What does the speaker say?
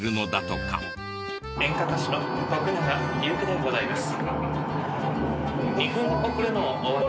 演歌歌手の徳永ゆうきでございます。